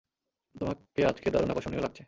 তোমাকে আজকে দারুণ আকর্ষণীয় লাগছে।